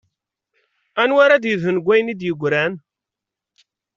Anwa ara d-yedhun deg wayen i d-yeggran?